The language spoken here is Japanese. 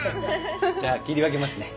じゃあ切り分けますね。